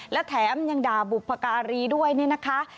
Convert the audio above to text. และแถมยังด่าบุพการีด้วยเนี่ยนะคะ